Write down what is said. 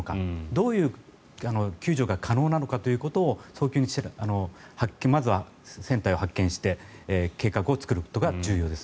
どういう救助が可能なのかということを早急にまずは船体を発見して計画を作ることが重要です。